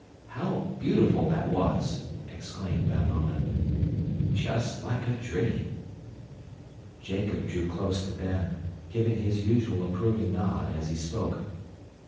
"How beautiful that was!" exclaimed Van Mounen. "Just like a dream!" Jacob drew close to Ben, giving his usual approving nod, as he spoke.